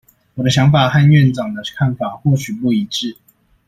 我的想法和院長的看法或許不一致